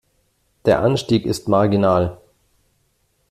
Der Anstieg ist marginal.